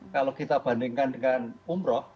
kalau kita bandingkan dengan umroh